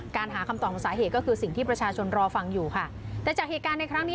หาคำตอบของสาเหตุก็คือสิ่งที่ประชาชนรอฟังอยู่ค่ะแต่จากเหตุการณ์ในครั้งนี้